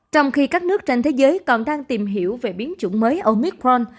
trong khi các nước trên thế giới còn đang tìm hiểu về biến chủng mới omitpron